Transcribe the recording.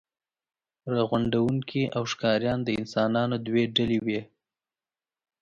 راغونډوونکي او ښکاریان د انسانانو دوې ډلې وې.